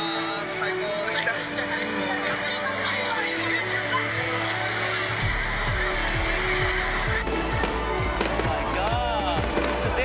最高でしたね。